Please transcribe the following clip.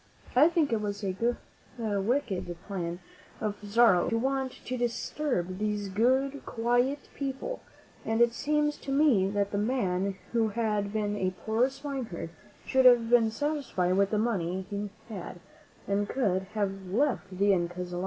I think that it was wicked of Pizarro to want to disturb these good, quiet people, and it seems to me that the man who had been a poor swineherd should have been satisfied with the money he had, and could have left the Incas alone.